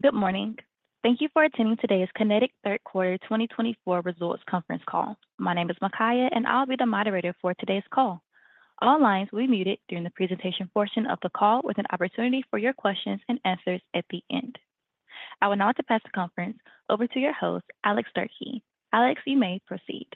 Good morning. Thank you for attending today's Kinetik Third Quarter 2024 Results Conference call. My name is Makaya, and I'll be the moderator for today's call. All lines will be muted during the presentation portion of the call, with an opportunity for your questions and answers at the end. I will now pass the conference over to your host, Alex Durkee. Alex, you may proceed.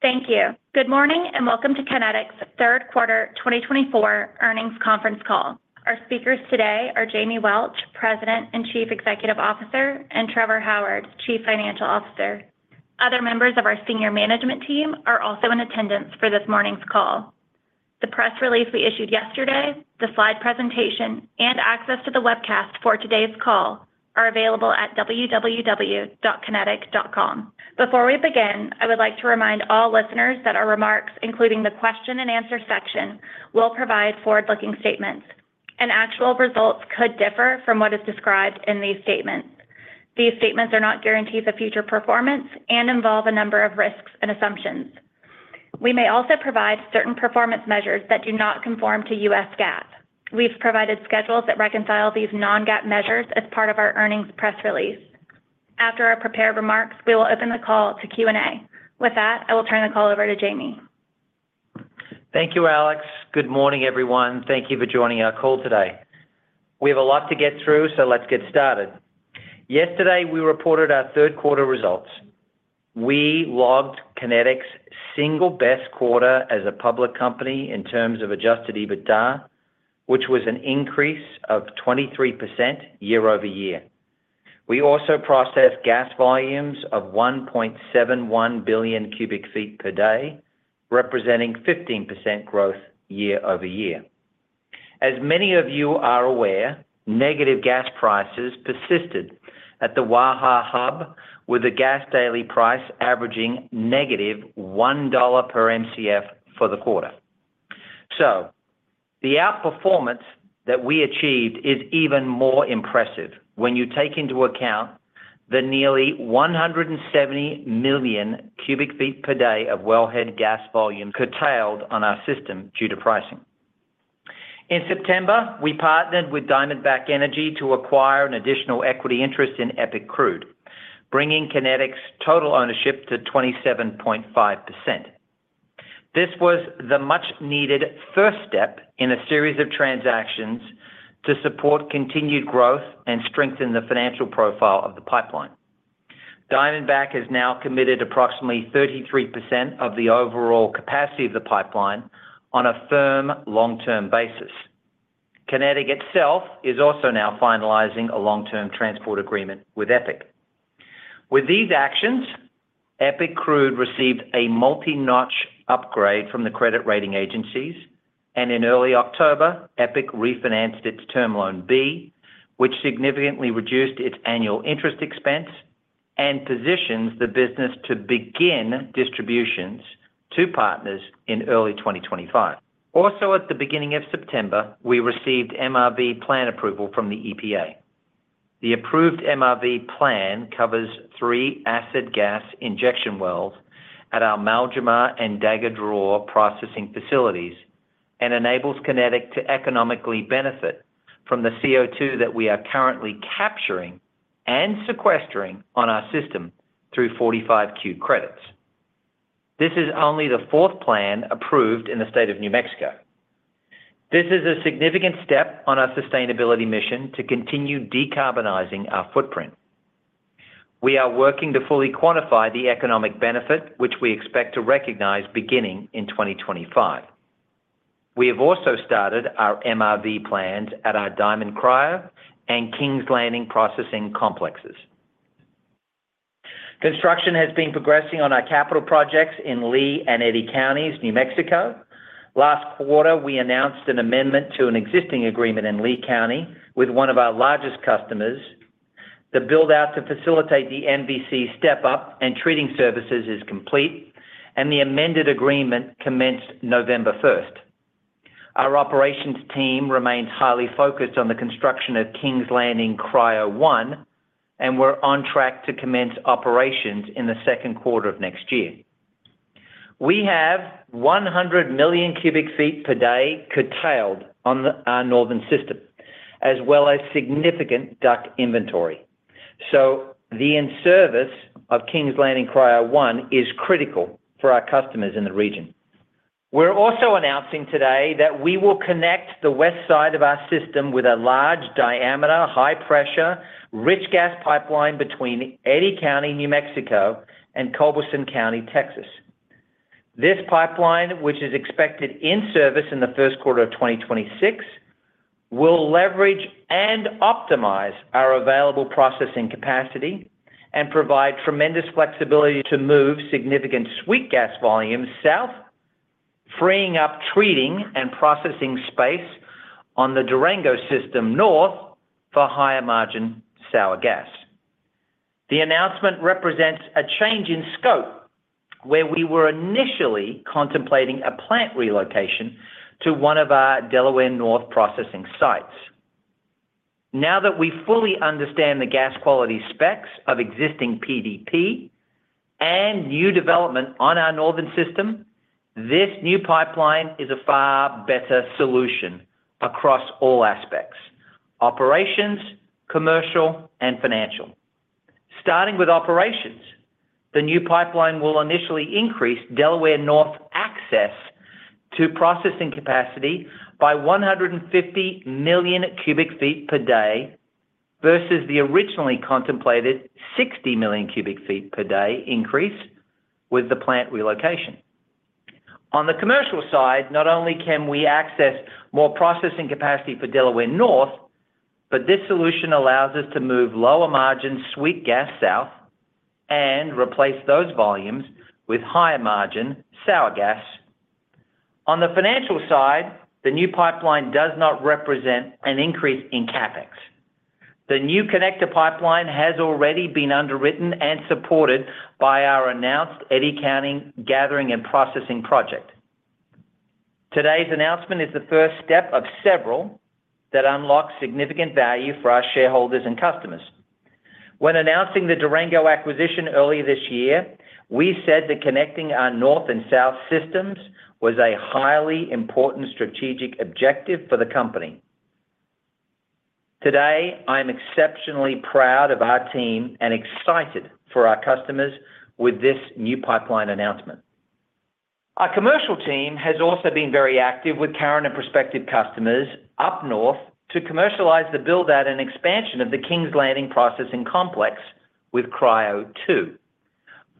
Thank you. Good morning and welcome to Kinetik's Third Quarter 2024 Earnings Conference call. Our speakers today are Jamie Welch, President and Chief Executive Officer, and Trevor Howard, Chief Financial Officer. Other members of our senior management team are also in attendance for this morning's call. The press release we issued yesterday, the slide presentation, and access to the webcast for today's call are available at www.kinetik.com. Before we begin, I would like to remind all listeners that our remarks, including the question-and-answer section, will provide forward-looking statements, and actual results could differ from what is described in these statements. These statements are not guarantees of future performance and involve a number of risks and assumptions. We may also provide certain performance measures that do not conform to U.S. GAAP. We've provided schedules that reconcile these non-GAAP measures as part of our earnings press release. After our prepared remarks, we will open the call to Q&A. With that, I will turn the call over to Jamie. Thank you, Alex. Good morning, everyone. Thank you for joining our call today. We have a lot to get through, so let's get started. Yesterday, we reported our third quarter results. We logged Kinetik's single best quarter as a public company in terms of Adjusted EBITDA, which was an increase of 23% year-over-year. We also processed gas volumes of 1.71 billion cubic feet per day, representing 15% growth year-over-year. As many of you are aware, negative gas prices persisted at the Wawa hub, with the gas daily price averaging negative $1 per MCF for the quarter, so the outperformance that we achieved is even more impressive when you take into account the nearly 170 million cubic feet per day of wellhead gas volume curtailed on our system due to pricing. In September, we partnered with Diamondback Energy to acquire an additional equity interest in EPIC Crude, bringing Kinetik's total ownership to 27.5%. This was the much-needed first step in a series of transactions to support continued growth and strengthen the financial profile of the pipeline. Diamondback has now committed approximately 33% of the overall capacity of the pipeline on a firm, long-term basis. Kinetik itself is also now finalizing a long-term transport agreement with EPIC. With these actions, EPIC Crude received a multi-notch upgrade from the credit rating agencies, and in early October, EPIC refinanced its Term Loan B, which significantly reduced its annual interest expense and positions the business to begin distributions to partners in early 2025. Also, at the beginning of September, we received MRV plan approval from the EPA. The approved MRV plan covers three acid gas injection wells at our Maljamar and Dagger Draw processing facilities and enables Kinetik to economically benefit from the CO2 that we are currently capturing and sequestering on our system through 45Q credits. This is only the fourth plan approved in the state of New Mexico. This is a significant step on our sustainability mission to continue decarbonizing our footprint. We are working to fully quantify the economic benefit, which we expect to recognize beginning in 2025. We have also started our MRV plans at our Diamond Cryo and Kings Landing processing complexes. Construction has been progressing on our capital projects in Lea and Eddy counties, New Mexico. Last quarter, we announced an amendment to an existing agreement in Lea County with one of our largest customers. The build-out to facilitate the MVC step-up and treating services is complete, and the amended agreement commenced November 1st. Our operations team remains highly focused on the construction of Kings Landing Cryo 1, and we're on track to commence operations in the second quarter of next year. We have 100 million cubic feet per day curtailed on our northern system, as well as significant DUC inventory. So the in-service of Kings Landing Cryo 1 is critical for our customers in the region. We're also announcing today that we will connect the west side of our system with a large diameter, high-pressure, rich gas pipeline between Eddy County, New Mexico, and Culberson County, Texas. This pipeline, which is expected in service in the first quarter of 2026, will leverage and optimize our available processing capacity and provide tremendous flexibility to move significant sweet gas volumes south, freeing up treating and processing space on the Durango System north for higher-margin sour gas. The announcement represents a change in scope, where we were initially contemplating a plant relocation to one of our Delaware North processing sites. Now that we fully understand the gas quality specs of existing PDP and new development on our northern system, this new pipeline is a far better solution across all aspects: operations, commercial, and financial. Starting with operations, the new pipeline will initially increase Delaware North access to processing capacity by 150 million cubic feet per day versus the originally contemplated 60 million cubic feet per day increase with the plant relocation. On the commercial side, not only can we access more processing capacity for Delaware North, but this solution allows us to move lower-margin sweet gas south and replace those volumes with higher-margin sour gas. On the financial side, the new pipeline does not represent an increase in CapEx. The new connector pipeline has already been underwritten and supported by our announced Eddy County gathering and processing project. Today's announcement is the first step of several that unlocks significant value for our shareholders and customers. When announcing the Durango acquisition earlier this year, we said that connecting our north and south systems was a highly important strategic objective for the company. Today, I am exceptionally proud of our team and excited for our customers with this new pipeline announcement. Our commercial team has also been very active with current and prospective customers up north to commercialize the build-out and expansion of the Kings Landing processing complex with Cryo 2,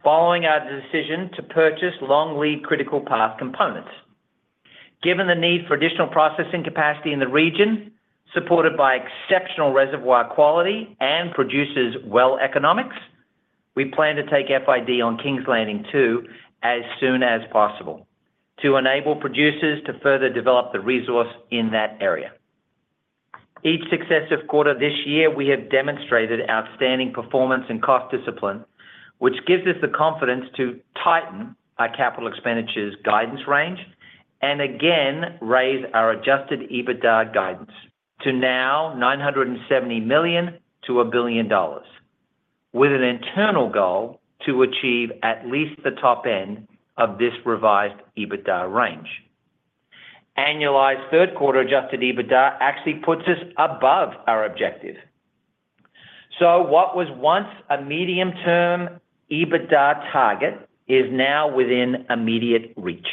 following our decision to purchase long lead critical path components. Given the need for additional processing capacity in the region, supported by exceptional reservoir quality and producers' well economics, we plan to take FID on Kings Landing 2 as soon as possible to enable producers to further develop the resource in that area. Each successive quarter this year, we have demonstrated outstanding performance and cost discipline, which gives us the confidence to tighten our capital expenditures guidance range and again raise our adjusted EBITDA guidance to now $970 million-$1 billion, with an internal goal to achieve at least the top end of this revised EBITDA range. Annualized third quarter adjusted EBITDA actually puts us above our objective. So what was once a medium-term EBITDA target is now within immediate reach.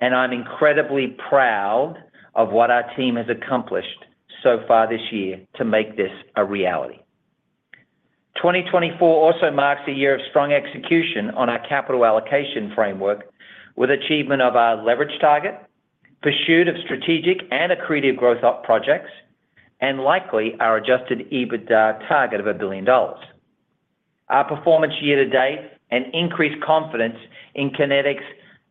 And I'm incredibly proud of what our team has accomplished so far this year to make this a reality. 2024 also marks a year of strong execution on our capital allocation framework, with achievement of our leverage target, pursuit of strategic and accretive growth projects, and likely our Adjusted EBITDA target of a billion dollars. Our performance year to date and increased confidence in Kinetik's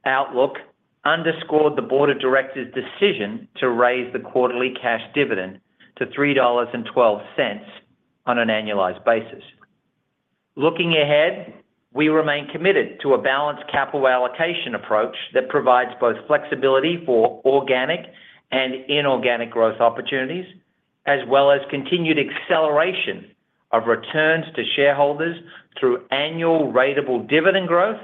outlook underscored the board of directors' decision to raise the quarterly cash dividend to $3.12 on an annualized basis. Looking ahead, we remain committed to a balanced capital allocation approach that provides both flexibility for organic and inorganic growth opportunities, as well as continued acceleration of returns to shareholders through annual ratable dividend growth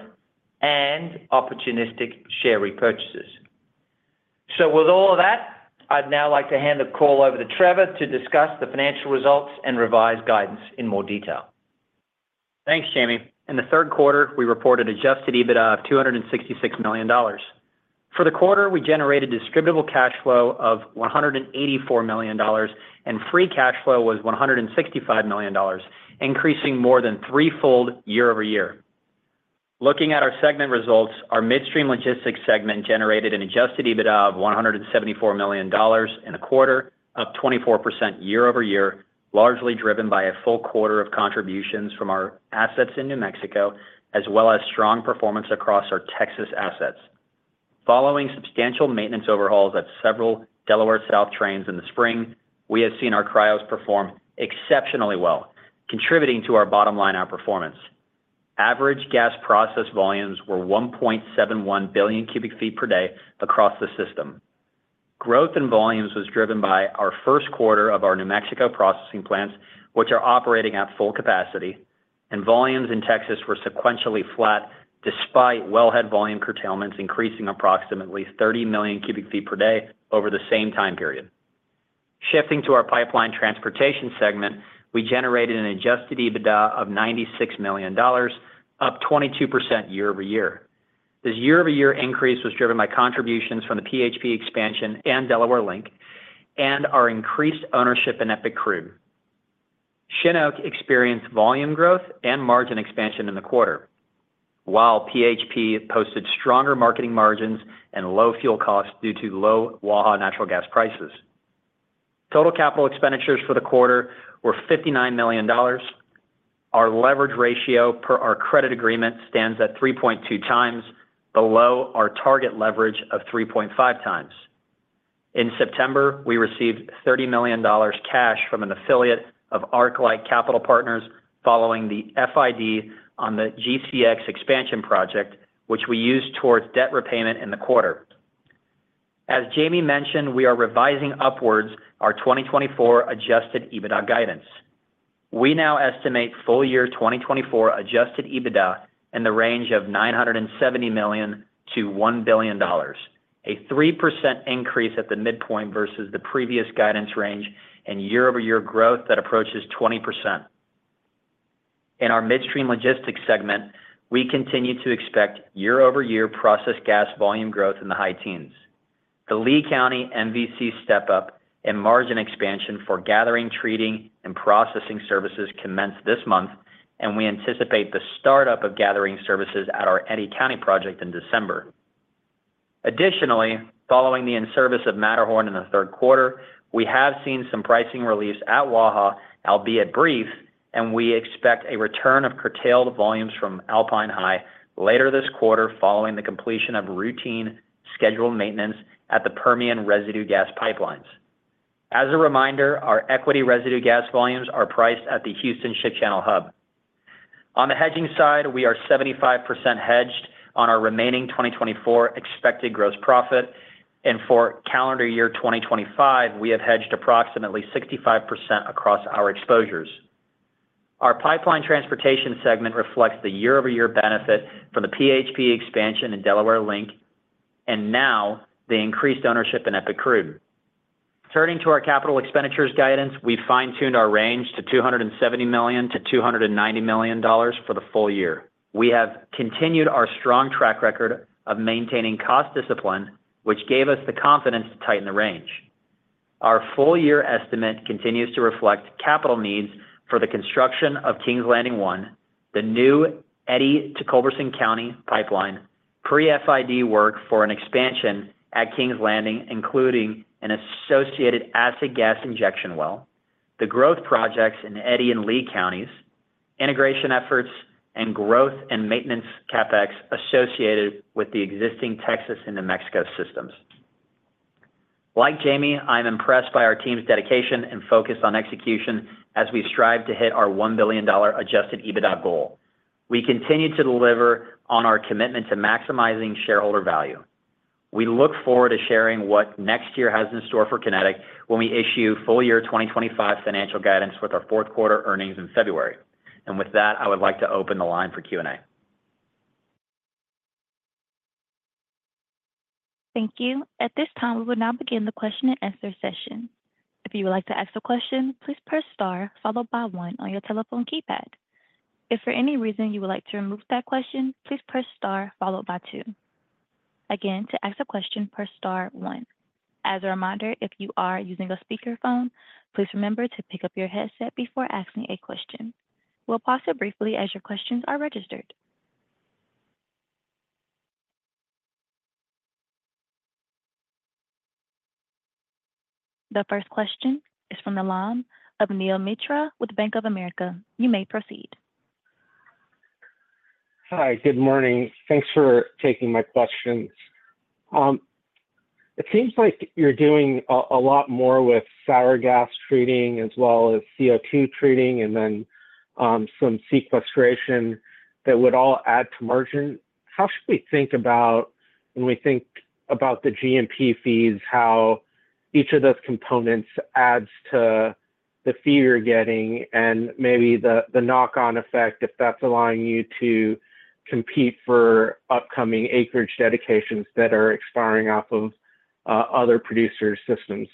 and opportunistic share repurchases. So with all of that, I'd now like to hand the call over to Trevor to discuss the financial results and revised guidance in more detail. Thanks, Jamie. In the third quarter, we reported Adjusted EBITDA of $266 million. For the quarter, we generated distributable cash flow of $184 million, and free cash flow was $165 million, increasing more than threefold year-over-year. Looking at our segment results, our Midstream Logistics segment generated an Adjusted EBITDA of $174 million in the quarter, up 24% year-over-year, largely driven by a full quarter of contributions from our assets in New Mexico, as well as strong performance across our Texas assets. Following substantial maintenance overhauls at several Delaware South trains in the spring, we have seen our Cryos perform exceptionally well, contributing to our bottom line outperformance. Average gas process volumes were 1.71 billion cubic feet per day across the system. Growth in volumes was driven by our first quarter of our New Mexico processing plants, which are operating at full capacity, and volumes in Texas were sequentially flat despite wellhead volume curtailments increasing approximately 30 million cubic feet per day over the same time period. Shifting to our pipeline transportation segment, we generated an Adjusted EBITDA of $96 million, up 22% year-over-year. This year-over-year increase was driven by contributions from the PHP expansion and Delaware Link and our increased ownership in EPIC Crude. Chinook experienced volume growth and margin expansion in the quarter, while PHP posted stronger marketing margins and low fuel costs due to low Wawa natural gas prices. Total capital expenditures for the quarter were $59 million. Our leverage ratio per our credit agreement stands at 3.2x below our target leverage of 3.5x. In September, we received $30 million cash from an affiliate of ArcLight Capital Partners following the FID on the GCX expansion project, which we used towards debt repayment in the quarter. As Jamie mentioned, we are revising upwards our 2024 Adjusted EBITDA guidance. We now estimate full year 2024 Adjusted EBITDA in the range of $970 million-$1 billion, a 3% increase at the midpoint versus the previous guidance range and year-over-year growth that approaches 20%. In our midstream logistics segment, we continue to expect year-over-year process gas volume growth in the high teens. The Lea County MVC step-up and margin expansion for gathering, treating, and processing services commenced this month, and we anticipate the startup of gathering services at our Eddy County project in December. Additionally, following the in-service of Matterhorn in the third quarter, we have seen some pricing release at Wawa, albeit brief, and we expect a return of curtailed volumes from Alpine High later this quarter following the completion of routine scheduled maintenance at the Permian residue gas pipelines. As a reminder, our equity residue gas volumes are priced at the Houston Ship Channel Hub. On the hedging side, we are 75% hedged on our remaining 2024 expected gross profit, and for calendar year 2025, we have hedged approximately 65% across our exposures. Our pipeline transportation segment reflects the year-over-year benefit from the PHP expansion and Delaware Link, and now the increased ownership in EPIC Crude. Turning to our capital expenditures guidance, we've fine-tuned our range to $270 million-$290 million for the full year. We have continued our strong track record of maintaining cost discipline, which gave us the confidence to tighten the range. Our full year estimate continues to reflect capital needs for the construction of Kings Landing 1, the new Eddy to Culberson County pipeline, pre-FID work for an expansion at Kings Landing, including an associated acid gas injection well, the growth projects in Eddy and Lea counties, integration efforts, and growth and maintenance CapEx associated with the existing Texas and New Mexico systems. Like Jamie, I am impressed by our team's dedication and focus on execution as we strive to hit our $1 billion adjusted EBITDA goal. We continue to deliver on our commitment to maximizing shareholder value. We look forward to sharing what next year has in store for Kinetik when we issue full year 2025 financial guidance with our fourth quarter earnings in February. With that, I would like to open the line for Q&A. Thank you. At this time, we will now begin the question-and-answer session. If you would like to ask a question, please press star followed by one on your telephone keypad. If for any reason you would like to remove that question, please press star followed by two. Again, to ask a question, press star one. As a reminder, if you are using a speakerphone, please remember to pick up your headset before asking a question. We'll pause here briefly as your questions are registered. The first question is from the line of Neel Mitra with Bank of America. You may proceed. Hi, good morning. Thanks for taking my questions. It seems like you're doing a lot more with sour gas treating as well as CO2 treating and then some sequestration that would all add to margin. How should we think about, when we think about the GMP fees, how each of those components adds to the fee you're getting and maybe the knock-on effect if that's allowing you to compete for upcoming acreage dedications that are expiring off of other producers' systems?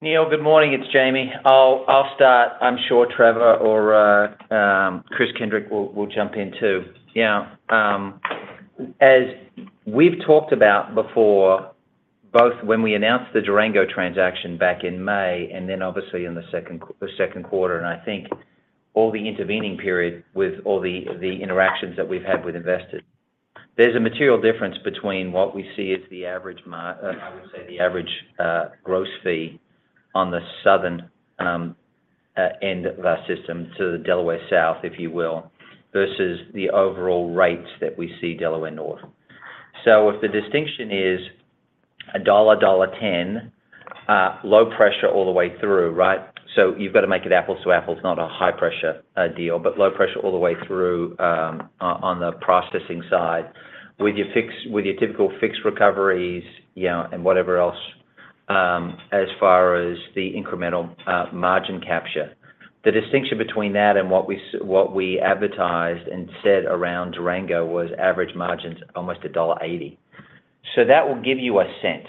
Neil, good morning. It's Jamie. I'll start. I'm sure Trevor or Kris Kindrick will jump in too. Yeah. As we've talked about before, both when we announced the Durango transaction back in May and then obviously in the second quarter, and I think all the intervening period with all the interactions that we've had with investors, there's a material difference between what we see as the average, I would say the average gross fee on the southern end of our system to the Delaware south, if you will, versus the overall rates that we see Delaware north. So if the distinction is $1-$1.10, low pressure all the way through, right? So you've got to make it apples to apples, not a high pressure deal, but low pressure all the way through on the processing side with your typical fixed recoveries and whatever else as far as the incremental margin capture. The distinction between that and what we advertised and said around Durango was average margins almost $1.80. So that will give you a sense.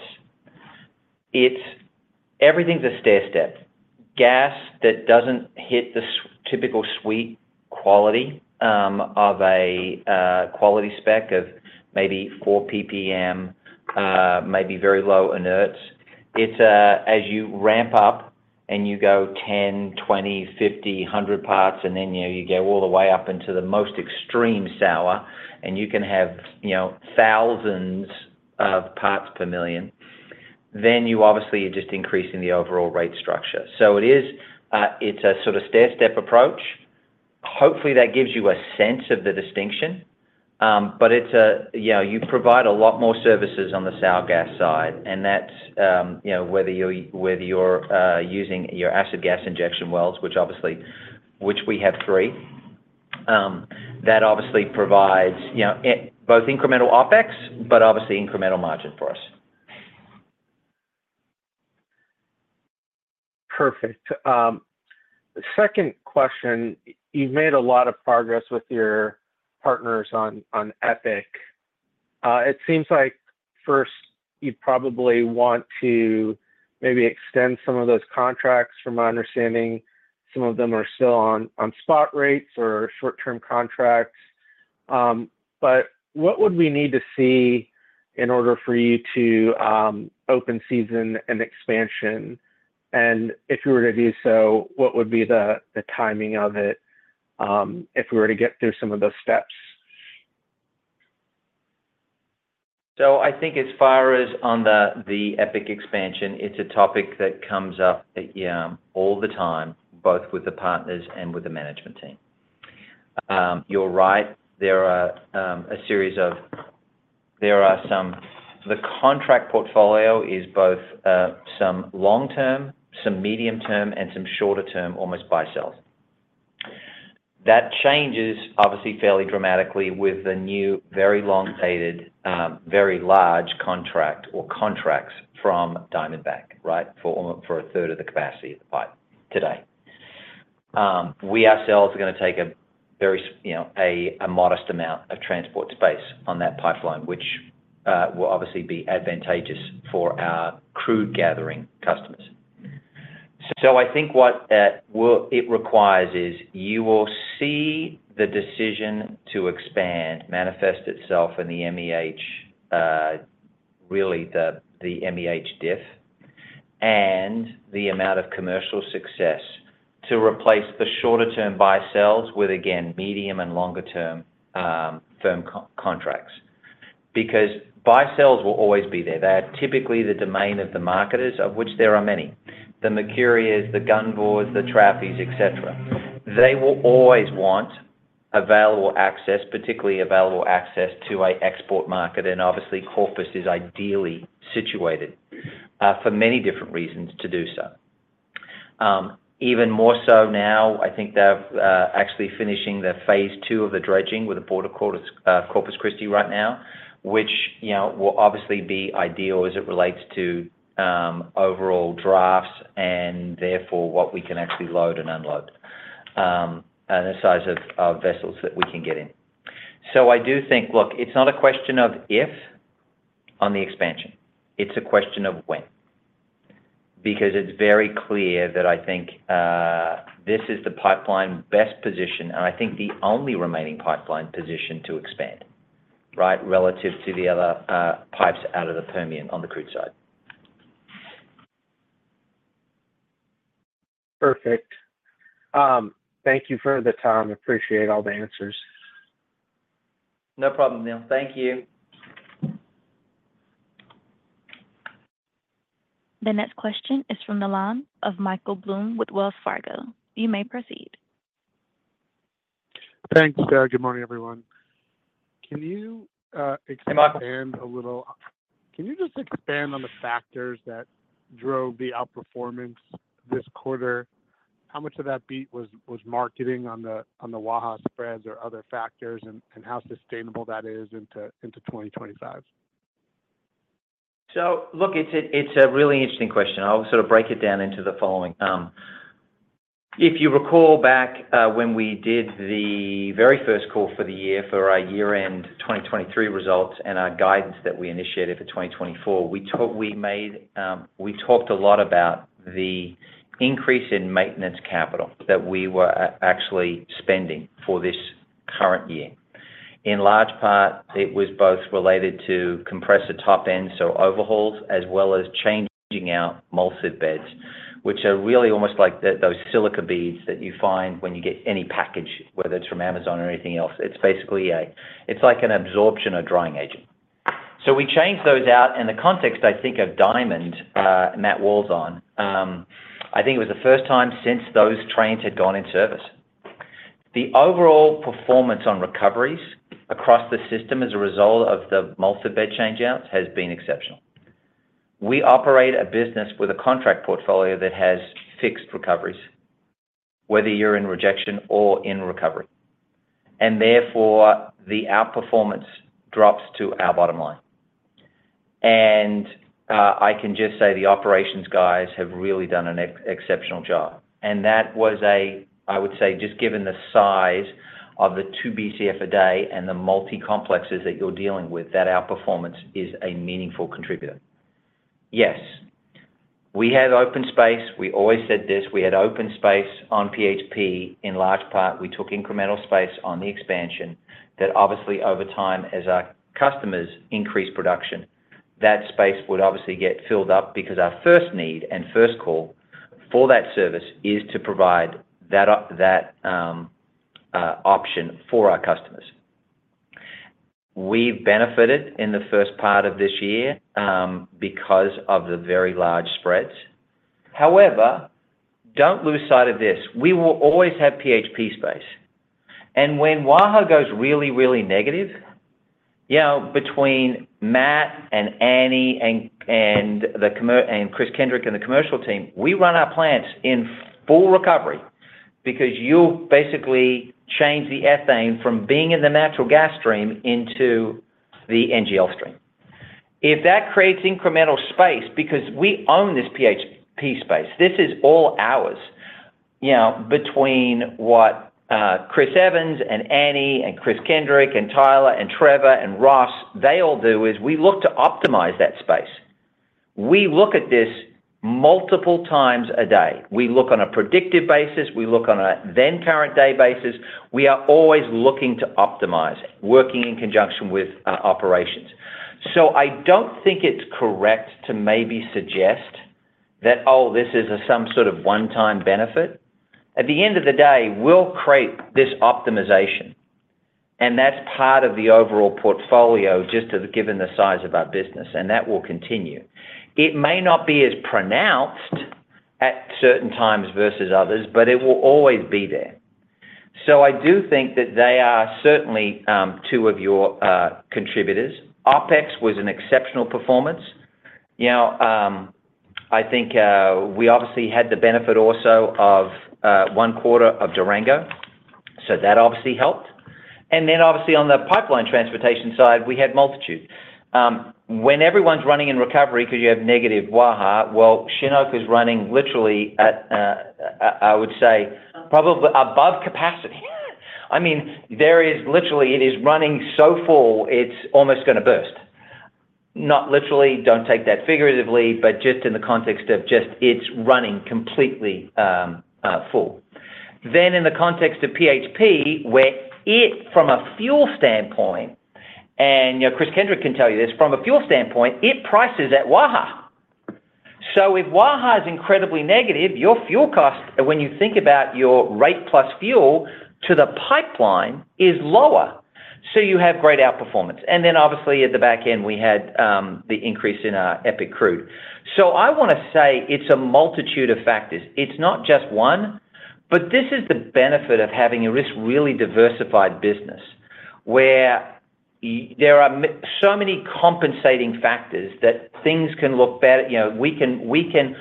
Everything's a stair step. Gas that doesn't hit the typical sweet quality of a quality spec of maybe four PPM, maybe very low inerts, it's as you ramp up and you go 10, 20, 50, 100 parts, and then you go all the way up into the most extreme sour, and you can have thousands of parts per million, then you obviously are just increasing the overall rate structure. So it's a sort of stair step approach. Hopefully, that gives you a sense of the distinction, but you provide a lot more services on the sour gas side, and that's whether you're using your acid gas injection wells, which obviously we have three, that obviously provides both incremental OpEx, but obviously incremental margin for us. Perfect. Second question, you've made a lot of progress with your partners on EPIC. It seems like first you'd probably want to maybe extend some of those contracts. From my understanding, some of them are still on spot rates or short-term contracts. But what would we need to see in order for you to open season and expansion? And if you were to do so, what would be the timing of it if we were to get through some of those steps? So I think as far as on the EPIC expansion, it's a topic that comes up all the time, both with the partners and with the management team. You're right. There are a series of the contract portfolio is both some long-term, some medium-term, and some shorter-term almost buy-sells. That changes obviously fairly dramatically with the new very long-dated, very large contract or contracts from Diamondback, right, for a third of the capacity of the pipe today. We ourselves are going to take a very modest amount of transport space on that pipeline, which will obviously be advantageous for our crude gathering customers. So I think what it requires is you will see the decision to expand manifest itself in the MEH, really the MEH diff, and the amount of commercial success to replace the shorter-term buy-sells with, again, medium and longer-term firm contracts. Because buy-sells will always be there. They are typically the domain of the marketers, of which there are many: the Mercuria, the Gunvor, the Trafigura, etc. They will always want available access, particularly available access to an export market, and obviously Corpus is ideally situated for many different reasons to do so. Even more so now, I think they're actually finishing the phase two of the dredging with the Port of Corpus Christi right now, which will obviously be ideal as it relates to overall drafts and therefore what we can actually load and unload and the size of vessels that we can get in. So I do think, look, it's not a question of if on the expansion. It's a question of when. Because it's very clear that I think this is the pipeline best position, and I think the only remaining pipeline position to expand, right, relative to the other pipes out of the Permian on the crude side. Perfect. Thank you for the time. Appreciate all the answers. No problem, Neel. Thank you. The next question is from the line of Michael Blum with Wells Fargo. You may proceed. Thanks, sir. Good morning, everyone. Can you expand a little? Hey, Michael. Can you just expand on the factors that drove the outperformance this quarter? How much of that beat was marketing on the Wawa spreads or other factors and how sustainable that is into 2025? So look, it's a really interesting question. I'll sort of break it down into the following. If you recall back when we did the very first call for the year for our year-end 2023 results and our guidance that we initiated for 2024, we talked a lot about the increase in maintenance capital that we were actually spending for this current year. In large part, it was both related to compressor top end, so overhauls, as well as changing out molecular sieve beds, which are really almost like those silica beads that you find when you get any package, whether it's from Amazon or anything else. It's basically it's like an absorption or drying agent. So we changed those out. And the context, I think, of Diamond, Matt Wall's on, I think it was the first time since those trains had gone in service. The overall performance on recoveries across the system as a result of the molecular sieve bed changeouts has been exceptional. We operate a business with a contract portfolio that has fixed recoveries, whether you're in rejection or in recovery. Therefore, the outperformance drops to our bottom line. I can just say the operations guys have really done an exceptional job. That was a, I would say, just given the size of the 2 Bcf/d and the multi-complexes that you're dealing with, that outperformance is a meaningful contributor. Yes. We have open space. We always said this. We had open space on PHP. In large part, we took incremental space on the expansion that obviously over time, as our customers increase production, that space would obviously get filled up because our first need and first call for that service is to provide that option for our customers. We've benefited in the first part of this year because of the very large spreads. However, don't lose sight of this. We will always have PHP space. And when Wawa goes really, really negative, between Matt and Annie and Kris Kindrick and the commercial team, we run our plants in full recovery because you'll basically change the ethane from being in the natural gas stream into the NGL stream. If that creates incremental space because we own this PHP space, this is all ours between what Kris Evans and Annie and Kris Kindrick and Tyler and Trevor and Ross, they all do is we look to optimize that space. We look at this multiple times a day. We look on a predictive basis. We look on a then current day basis. We are always looking to optimize, working in conjunction with operations. So I don't think it's correct to maybe suggest that, oh, this is some sort of one-time benefit. At the end of the day, we'll create this optimization. And that's part of the overall portfolio just given the size of our business. And that will continue. It may not be as pronounced at certain times versus others, but it will always be there. So I do think that they are certainly two of your contributors. OpEx was an exceptional performance. I think we obviously had the benefit also of one quarter of Durango. So that obviously helped. And then obviously on the pipeline transportation side, we had multitude. When everyone's running in recovery because you have negative Wawa, well, Chinook is running literally, I would say, probably above capacity. I mean, it is literally running so full it's almost going to burst. Not literally, don't take that figuratively, but just in the context of just it's running completely full. Then in the context of PHP, where it's from a fuel standpoint, and Kris Kindrick can tell you this, from a fuel standpoint, it prices at Wawa. So if Wawa is incredibly negative, your fuel cost, when you think about your rate plus fuel to the pipeline, is lower. So you have great outperformance. And then obviously at the back end, we had the increase in our EPIC crude. So I want to say it's a multitude of factors. It's not just one, but this is the benefit of having a really diversified business where there are so many compensating factors that things can look better. We can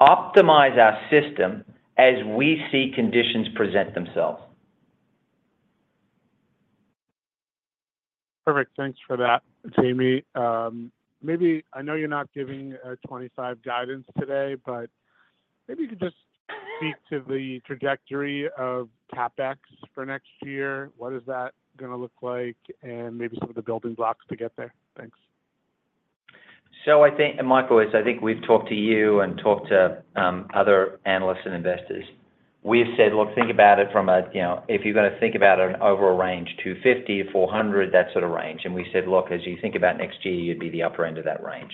optimize our system as we see conditions present themselves. Perfect. Thanks for that, Jamie. Maybe I know you're not giving 2025 guidance today, but maybe you could just speak to the trajectory of CapEx for next year. What is that going to look like? And maybe some of the building blocks to get there. Thanks. So I think, and Michael is, I think we've talked to you and talked to other analysts and investors. We have said, look, think about it from a if you're going to think about an overall range 250-400, that sort of range. And we said, look, as you think about next year, you'd be the upper end of that range.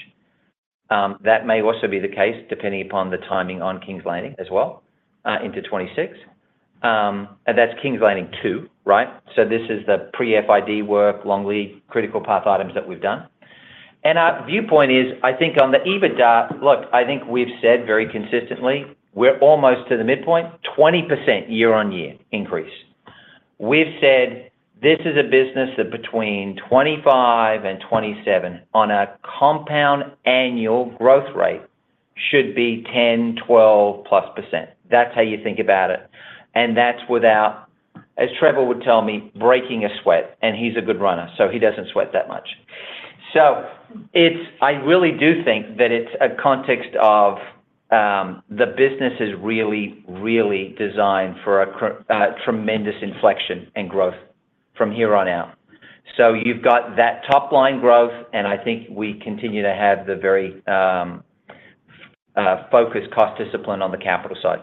That may also be the case depending upon the timing on Kings Landing as well into 2026. And that's Kings Landing 2, right? So this is the pre-FID work, long lead critical path items that we've done. And our viewpoint is, I think on the EBITDA, look, I think we've said very consistently, we're almost to the midpoint, 20% year on year increase. We've said this is a business that between 2025 and 2027 on a compound annual growth rate should be 10-12% plus. That's how you think about it. And that's without, as Trevor would tell me, breaking a sweat. And he's a good runner, so he doesn't sweat that much. So I really do think that it's a context of the business is really, really designed for a tremendous inflection and growth from here on out. So you've got that top line growth, and I think we continue to have the very focused cost discipline on the capital side.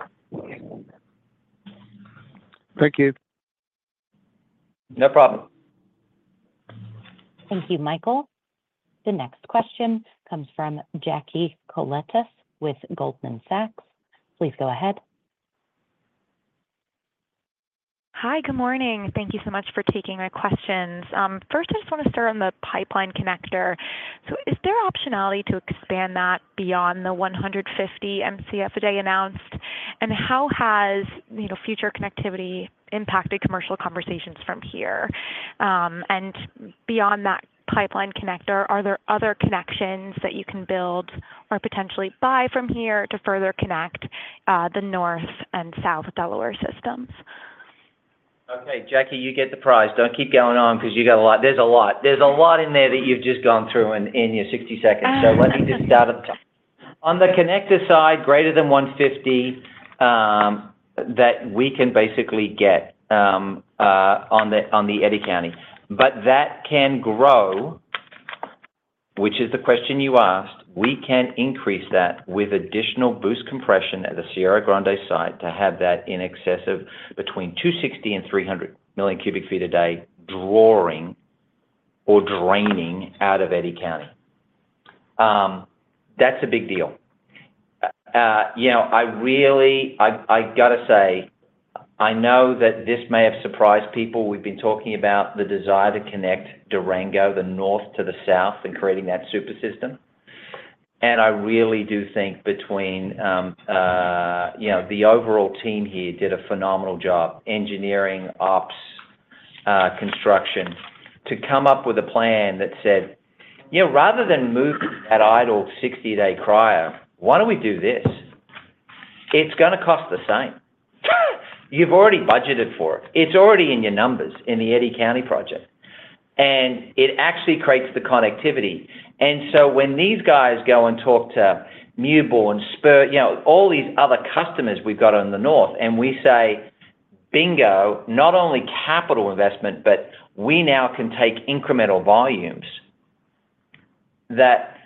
Thank you. No problem. Thank you, Michael. The next question comes from Jackie Koletas with Goldman Sachs. Please go ahead. Hi, good morning. Thank you so much for taking my questions. First, I just want to start on the pipeline connector. So is there optionality to expand that beyond the 150 MCF a day announced? And how has future connectivity impacted commercial conversations from here? And beyond that pipeline connector, are there other connections that you can build or potentially buy from here to further connect the north and south Delaware systems? Okay, Jackie, you get the prize. Don't keep going on because you got a lot. There's a lot. There's a lot in there that you've just gone through in your 60 seconds. So let me just start at the top. On the connector side, greater than 150 MCF that we can basically get on the Eddy County. But that can grow, which is the question you asked. We can increase that with additional boost compression at the Sierra Grande site to have that in excess of between 260 million and 300 million cubic feet a day drawing or draining out of Eddy County. That's a big deal. I got to say, I know that this may have surprised people. We've been talking about the desire to connect Durango, the north to the south, and creating that super system. I really do think the overall team here did a phenomenal job engineering, ops, construction to come up with a plan that said, rather than move that idle 60-day Cryo, why don't we do this? It's going to cost the same. You've already budgeted for it. It's already in your numbers in the Eddy County project. And it actually creates the connectivity. And so when these guys go and talk to Mewbourne, Spur, all these other customers we've got on the north, and we say, bingo, not only capital investment, but we now can take incremental volumes that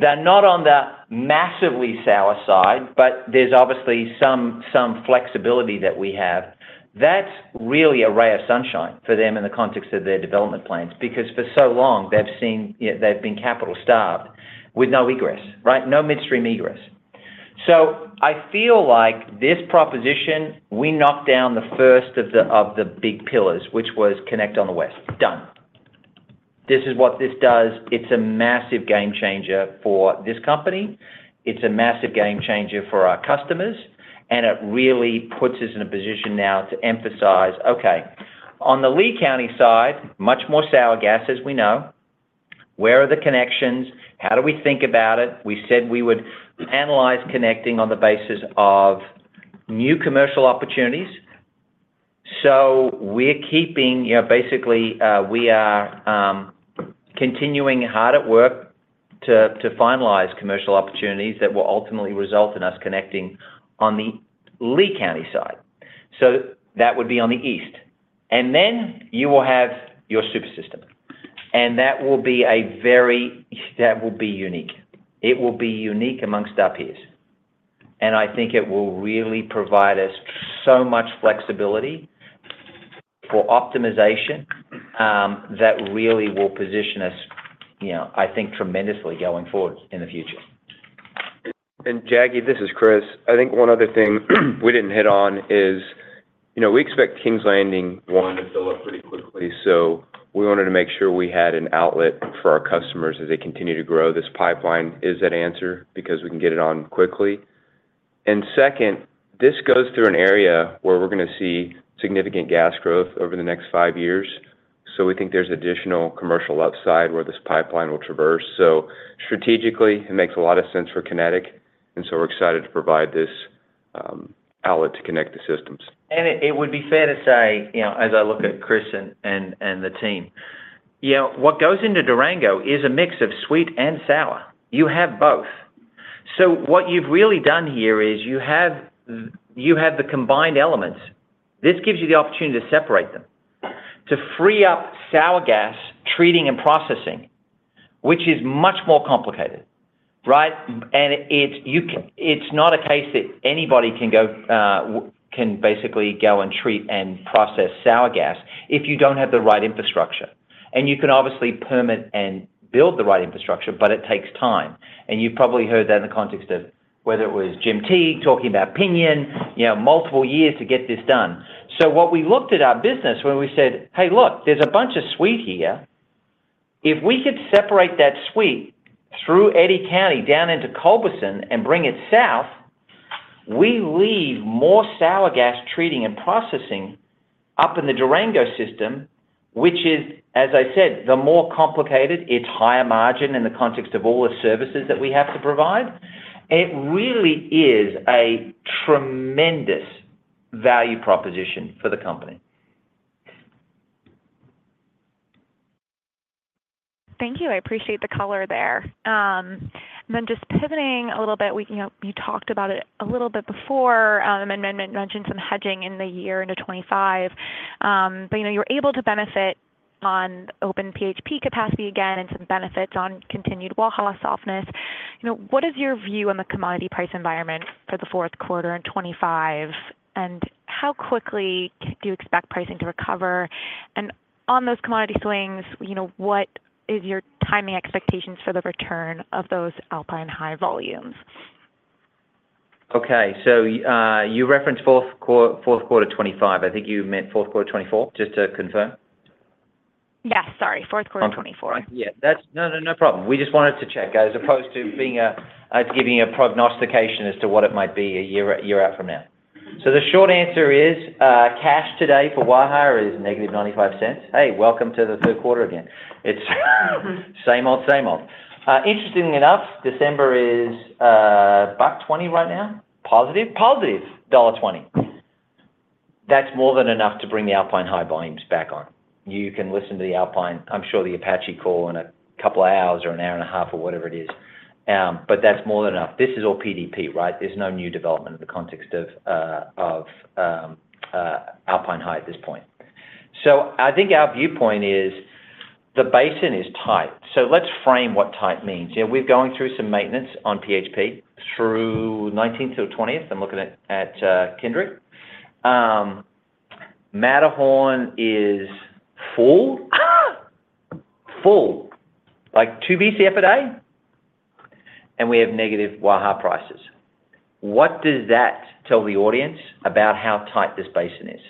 they're not on the massively sour side, but there's obviously some flexibility that we have. That's really a ray of sunshine for them in the context of their development plans because for so long, they've been capital starved with no egress, right? No midstream egress. So, I feel like this proposition. We knocked down the first of the big pillars, which was connect on the west. Done. This is what this does. It's a massive game changer for this company. It's a massive game changer for our customers. And it really puts us in a position now to emphasize, okay, on the Lea County side, much more sour gas, as we know. Where are the connections? How do we think about it? We said we would analyze connecting on the basis of new commercial opportunities. So we're keeping basically, we are continuing hard at work to finalize commercial opportunities that will ultimately result in us connecting on the Lea County side. So that would be on the east. And then you will have your super system. And that will be a very that will be unique. It will be unique amongst our peers. I think it will really provide us so much flexibility for optimization that really will position us, I think, tremendously going forward in the future. And Jackie, this is Kris. I think one other thing we didn't hit on is we expect Kings Landing one to fill up pretty quickly. So we wanted to make sure we had an outlet for our customers as they continue to grow. This pipeline is that answer because we can get it on quickly. And second, this goes through an area where we're going to see significant gas growth over the next five years. So we think there's additional commercial upside where this pipeline will traverse. So strategically, it makes a lot of sense for Kinetik. And so we're excited to provide this outlet to connect the systems. It would be fair to say, as I look at Kris and the team, what goes into Durango is a mix of sweet and sour. You have both. So what you've really done here is you have the combined elements. This gives you the opportunity to separate them, to free up sour gas treating and processing, which is much more complicated, right? And it's not a case that anybody can basically go and treat and process sour gas if you don't have the right infrastructure. And you can obviously permit and build the right infrastructure, but it takes time. And you've probably heard that in the context of whether it was Jim Teague talking about Pinion, multiple years to get this done. So what we looked at our business when we said, "Hey, look, there's a bunch of sweet here. If we could separate that sweet through Eddy County down into Culberson and bring it south, we leave more sour gas treating and processing up in the Durango System, which is, as I said, the more complicated. It's higher margin in the context of all the services that we have to provide. It really is a tremendous value proposition for the company. Thank you. I appreciate the color there, and then just pivoting a little bit, you talked about it a little bit before and mentioned some hedging in the year into 2025. But you were able to benefit on open PHP capacity again and some benefits on continued Wawa softness. What is your view on the commodity price environment for the fourth quarter in 2025? And how quickly do you expect pricing to recover? And on those commodity swings, what is your timing expectations for the return of those Alpine High volumes? Okay. So you referenced fourth quarter 2025. I think you meant fourth quarter 2024, just to confirm. Yes, sorry. Fourth quarter 2024. Yeah. No, no problem. We just wanted to check as opposed to giving you a prognostication as to what it might be a year out from now. So the short answer is cash today for Wawa is -$0.95. Hey, welcome to the third quarter again. It's same old, same old. Interestingly enough, December is $1.20 right now. Positive, positive, $1.20. That's more than enough to bring the Alpine High volumes back on. You can listen to the Alpine, I'm sure the Apache call in a couple of hours or an hour and a half or whatever it is. But that's more than enough. This is all PDP, right? There's no new development in the context of Alpine High at this point. So I think our viewpoint is the basin is tight. So let's frame what tight means. We're going through some maintenance on PHP through 19th or 20th. I'm looking at Kindrick. Matterhorn is full. Full. Like 2 Bcf a day. And we have negative Wawa prices. What does that tell the audience about how tight this basin is?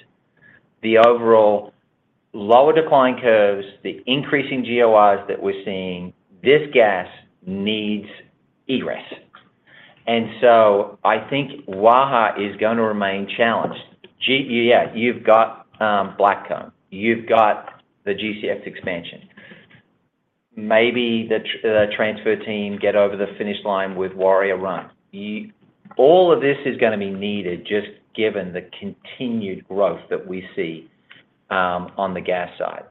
The overall lower decline curves, the increasing GORs that we're seeing, this gas needs egress. And so I think Wawa is going to remain challenged. Yeah, you've got Blackcomb. You've got the GCX expansion. Maybe the transfer team get over the finish line with Warrior. All of this is going to be needed just given the continued growth that we see on the gas side.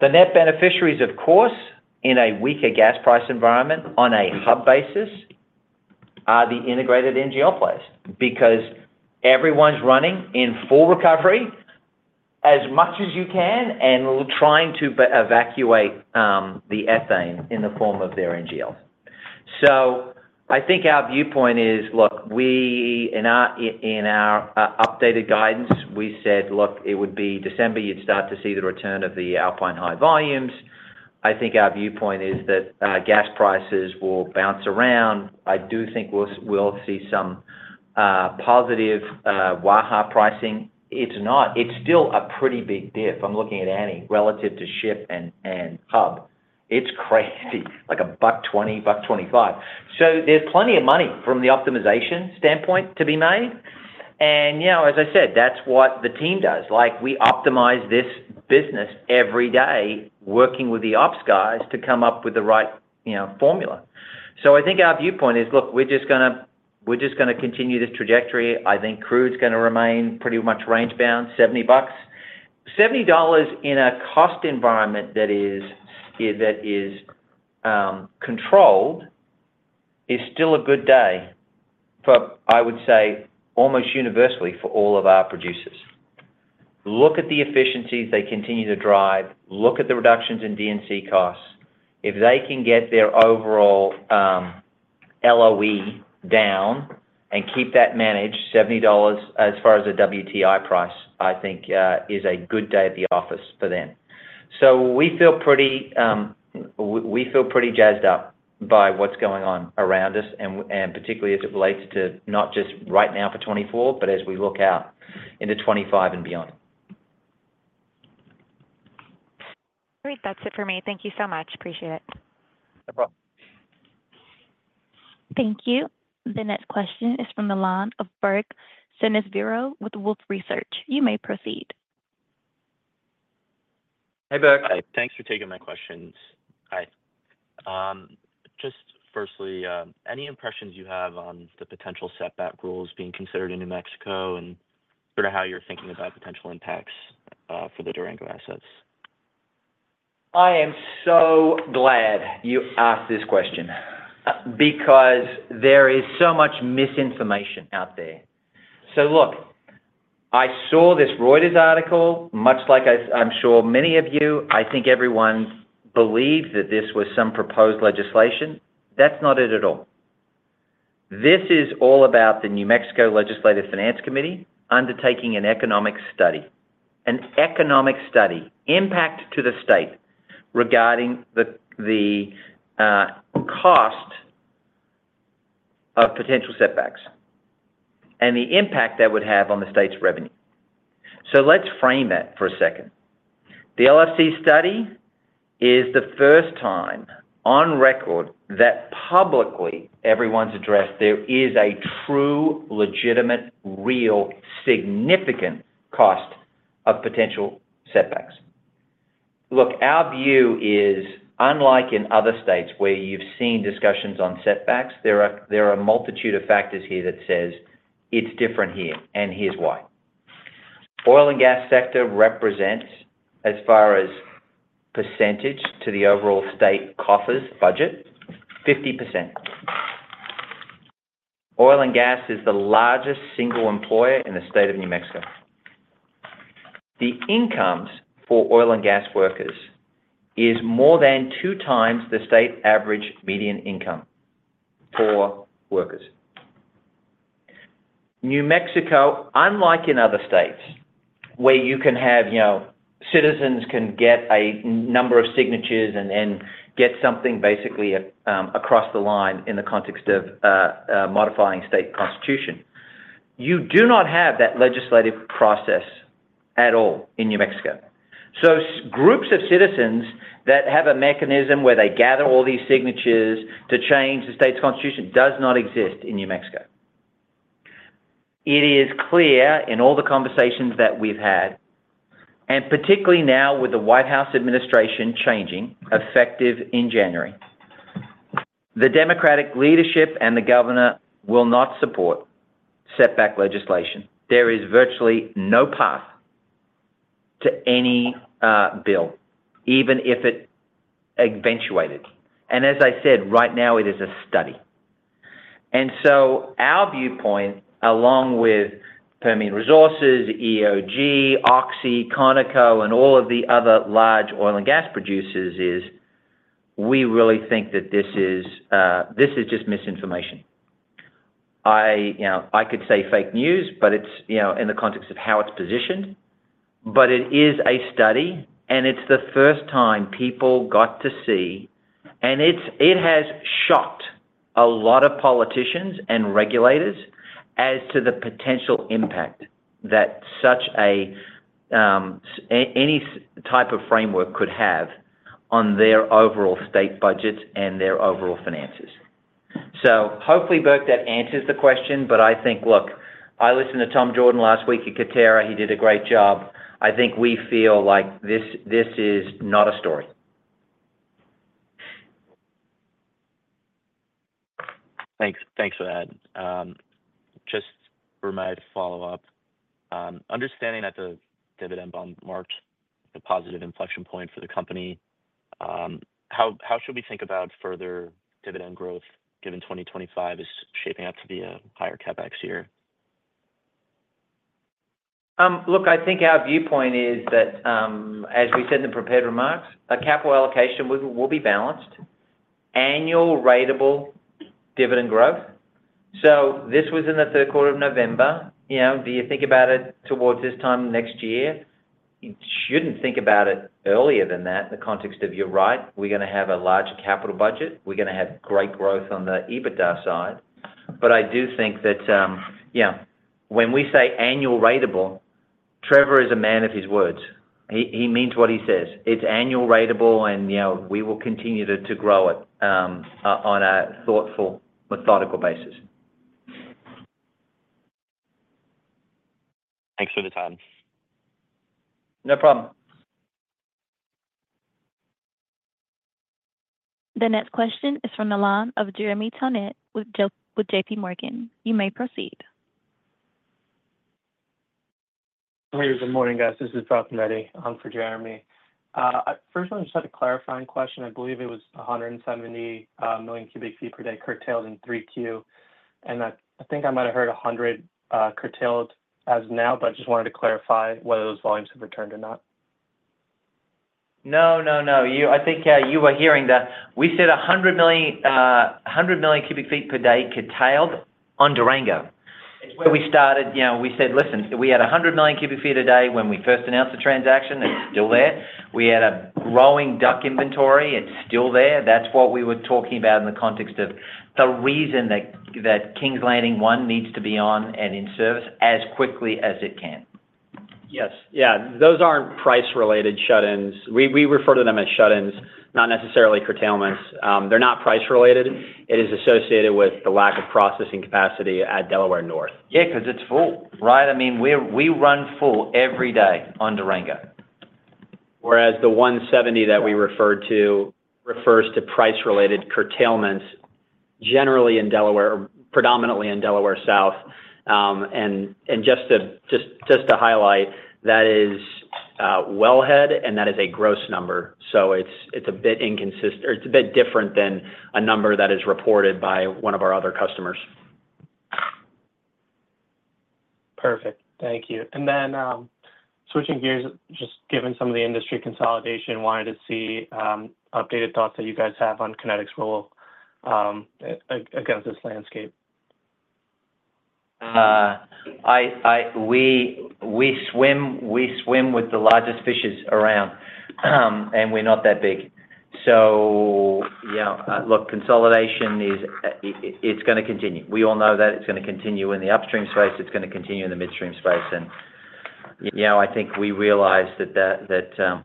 The net beneficiaries, of course, in a weaker gas price environment on a hub basis are the integrated NGL players because everyone's running in full recovery as much as you can and trying to evacuate the ethane in the form of their NGLs, so I think our viewpoint is, look, in our updated guidance, we said, look, it would be December you'd start to see the return of the Alpine High volumes. I think our viewpoint is that gas prices will bounce around. I do think we'll see some positive Wawa pricing. It's still a pretty big dip. I'm looking at Annie relative to ship and hub. It's crazy, like a $20, $25, so there's plenty of money from the optimization standpoint to be made, and yeah, as I said, that's what the team does. We optimize this business every day working with the ops guys to come up with the right formula. So I think our viewpoint is, look, we're just going to continue this trajectory. I think crude is going to remain pretty much range bound, $70. $70 in a cost environment that is controlled is still a good day for, I would say, almost universally for all of our producers. Look at the efficiencies they continue to drive. Look at the reductions in DUC costs. If they can get their overall LOE down and keep that managed, $70 as far as a WTI price, I think is a good day at the office for them. So we feel pretty jazzed up by what's going on around us and particularly as it relates to not just right now for 2024, but as we look out into 2025 and beyond. Great. That's it for me. Thank you so much. Appreciate it. No problem. Thank you. The next question is from the line of Burke Sansiviero with Wolfe Research. You may proceed. Hey, Burke. Hey. Thanks for taking my questions. Just firstly, any impressions you have on the potential setback rules being considered in New Mexico and sort of how you're thinking about potential impacts for the Durango assets? I am so glad you asked this question because there is so much misinformation out there. So look, I saw this Reuters article, much like I'm sure many of you. I think everyone believed that this was some proposed legislation. That's not it at all. This is all about the New Mexico Legislative Finance Committee undertaking an economic study. An economic study, impact to the state regarding the cost of potential setbacks and the impact that would have on the state's revenue. So let's frame that for a second. The LFC study is the first time on record that publicly everyone's addressed there is a true, legitimate, real, significant cost of potential setbacks. Look, our view is unlike in other states where you've seen discussions on setbacks. There are a multitude of factors here that says it's different here. And here's why. Oil and gas sector represents, as far as percentage to the overall state coffers budget, 50%. Oil and gas is the largest single employer in the state of New Mexico. The incomes for oil and gas workers is more than two times the state average median income for workers. New Mexico, unlike in other states where you can have citizens get a number of signatures and then get something basically across the line in the context of modifying state constitution, you do not have that legislative process at all in New Mexico. So groups of citizens that have a mechanism where they gather all these signatures to change the state's constitution does not exist in New Mexico. It is clear in all the conversations that we've had, and particularly now with the White House administration changing effective in January, the Democratic leadership and the governor will not support setback legislation. There is virtually no path to any bill, even if it eventuated, and as I said, right now it is a study, and so our viewpoint, along with Permian Resources, EOG, Oxy, Conoco, and all of the other large oil and gas producers, is we really think that this is just misinformation. I could say fake news, but it's in the context of how it's positioned, but it is a study, and it's the first time people got to see, and it has shocked a lot of politicians and regulators as to the potential impact that such a any type of framework could have on their overall state budgets and their overall finances. So hopefully, Burke, that answers the question, but I think, look, I listened to Tom Jorden last week at Coterra. He did a great job. I think we feel like this is not a story. Thanks for that. Just a reminder, follow-up. Understanding that the dividend bond marked a positive inflection point for the company, how should we think about further dividend growth given 2025 is shaping up to be a higher CapEx year? Look, I think our viewpoint is that, as we said in the prepared remarks, a capital allocation will be balanced, annual ratable dividend growth. So this was in the third quarter of November. Do you think about it towards this time next year? You shouldn't think about it earlier than that in the context of, you're right, we're going to have a large capital budget. We're going to have great growth on the EBITDA side. But I do think that when we say annual ratable, Trevor is a man of his words. He means what he says. It's annual ratable, and we will continue to grow it on a thoughtful, methodical basis. Thanks for the time. No problem. The next question is from the line of Jeremy Tonet with J.P. Morgan. You may proceed. Hey, good morning, guys. This is Brock Netty. I'm for Jeremy. First, I just had a clarifying question. I believe it was 170 million cubic feet per day curtailed in 3Q. And I think I might have heard 100 curtailed as of now, but I just wanted to clarify whether those volumes have returned or not. No, no, no. I think you were hearing that. We said 100 million cubic feet per day curtailed on Durango. It's where we started. We said, "Listen, we had 100 million cubic feet a day when we first announced the transaction. It's still there. We had a growing duck inventory. It's still there." That's what we were talking about in the context of the reason that Kings Landing One needs to be on and in service as quickly as it can. Yes. Yeah. Those aren't price-related shut-ins. We refer to them as shut-ins, not necessarily curtailments. They're not price-related. It is associated with the lack of processing capacity at Delaware North. Yeah, because it's full, right? I mean, we run full every day on Durango. Whereas the 170 that we referred to refers to price-related curtailments generally in Delaware or predominantly in Delaware South. And just to highlight, that is wellhead, and that is a gross number. So it's a bit inconsistent. It's a bit different than a number that is reported by one of our other customers. Perfect. Thank you. And then switching gears, just given some of the industry consolidation, wanted to see updated thoughts that you guys have on Kinetik's role against this landscape. We swim with the largest fishes around, and we're not that big. So look, consolidation, it's going to continue. We all know that it's going to continue in the upstream space. It's going to continue in the midstream space. And I think we realize that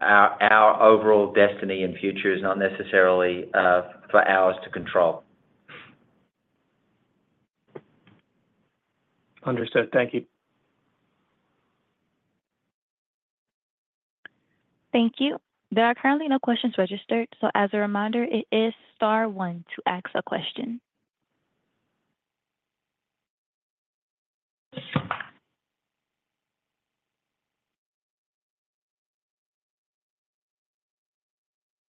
our overall destiny and future is not necessarily for ours to control. Understood. Thank you. Thank you. There are currently no questions registered. So as a reminder, it is Star One to ask a question.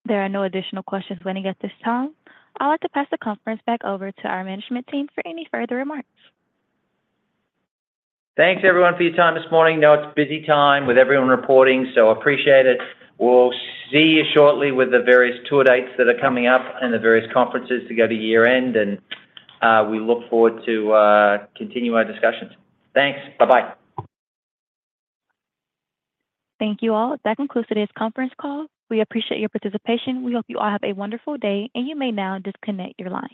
There are no additional questions pending at this time. I'd like to pass the conference back over to our management team for any further remarks. Thanks, everyone, for your time this morning. I know it's busy time with everyone reporting, so I appreciate it. We'll see you shortly with the various tour dates that are coming up and the various conferences to go to year-end, and we look forward to continuing our discussions. Thanks. Bye-bye. Thank you all. That concludes today's conference call. We appreciate your participation. We hope you all have a wonderful day, and you may now disconnect your line.